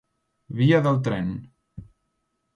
Via del tren.